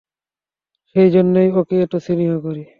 সেইজন্যেই ওকে এত স্নেহ করি।